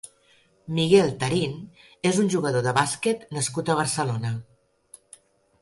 Miguel Tarín és un jugador de bàsquet nascut a Barcelona.